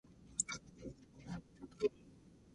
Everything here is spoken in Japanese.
いい加減掃除をしなければならない。